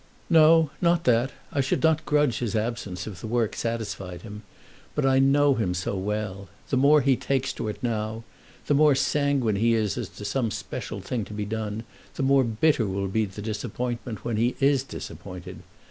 "No; not that. I should not grudge his absence if the work satisfied him. But I know him so well. The more he takes to it now, the more sanguine he is as to some special thing to be done, the more bitter will be the disappointment when he is disappointed.